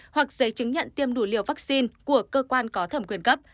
hoặc giấy chứng nhận tiêm đủ liều vaccine của cơ quan có thẩm quyền cấp